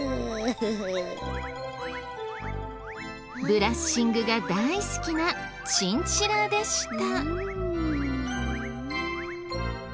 ブラッシングが大好きなチンチラでした。